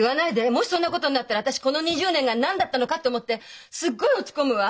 もしそんなことになったら私この２０年が何だったのかって思ってすっごい落ち込むわ！